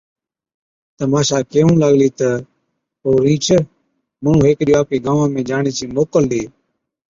تہ ماشا ڪيهُون لاگلِي تہ او رِينچ، ’مُنُون هيڪ ڏِيئو آپڪي گانوان ۾ جاڻي چِي موڪل ڏي‘